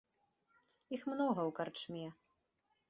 Іх многа ў карчме.